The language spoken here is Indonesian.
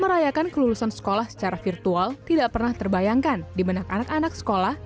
merayakan kelulusan sekolah secara virtual tidak pernah terbayangkan di benak anak anak sekolah